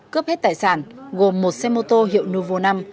cướp hết tài sản gồm một xe mô tô hiệu novo năm